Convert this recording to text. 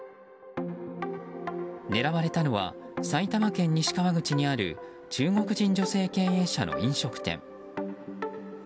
狙われたのは埼玉県西川口にある中国人女性経営者の飲食店。